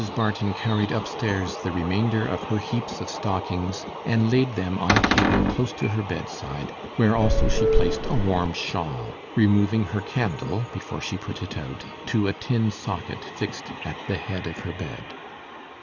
Barton carried up stairs the remainder of her heap of stockings, and laid them on a table close to her bedside, where also she placed a warm shawl, removing her candle, before she put it out, to a tin socket fixed at the head of her bed.